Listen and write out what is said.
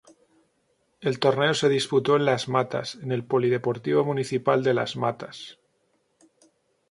El torneo se disputó en Las Matas, en el Polideportivo Municipal de las Matas.